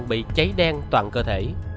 bị cháy đen toàn cơ thể